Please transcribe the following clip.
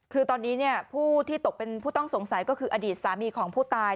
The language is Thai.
คือตอนนี้ผู้ที่ตกเป็นผู้ต้องสงสัยก็คืออดีตสามีของผู้ตาย